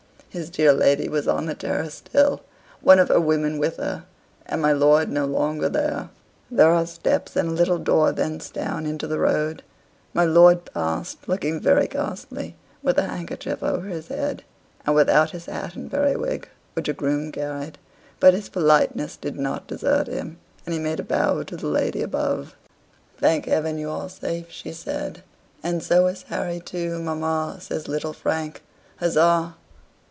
His dear lady was on the terrace still, one of her women with her, and my lord no longer there. There are steps and a little door thence down into the road. My lord passed, looking very ghastly, with a handkerchief over his head, and without his hat and periwig, which a groom carried, but his politeness did not desert him, and he made a bow to the lady above. "Thank heaven, you are safe," she said. "And so is Harry too, mamma," says little Frank, "huzzay!"